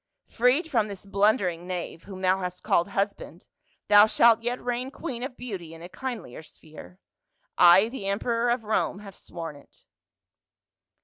Freed from this blundering knave whom thou hast called husband, thou shalt yet reign queen of beauty in a kindlier sphere. I, the emperor of Rome, have sworn it."